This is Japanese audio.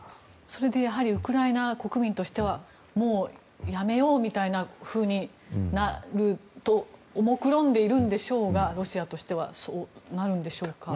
それでやはりウクライナ国民としてはもうやめようみたいなふうになるともくろんでいるんでしょうがロシアとしては。そうなるんでしょうか？